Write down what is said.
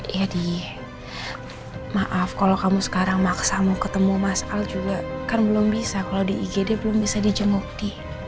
iya d maaf kalau kamu sekarang maksa mau ketemu mas al juga kan belum bisa kalau di igd belum bisa dijemuk d